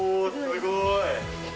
すごい。